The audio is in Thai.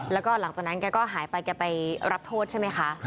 แล้วก็หายไปแล้วก็รับโทษใช่ไหมคะ